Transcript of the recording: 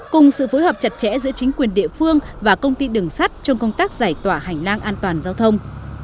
cùng sự phối hợp chặt chẽ giữa chính quyền địa phương và công ty đường sắt trong công tác giải tỏa hành lang an toàn giao thông